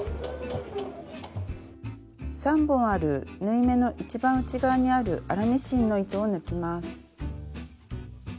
３本ある縫い目の一番内側にある粗ミシンの糸を抜きます。